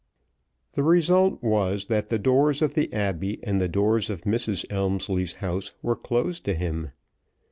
The result was that the doors of the Abbey and the doors of Mrs. Elmslie's house were closed to him.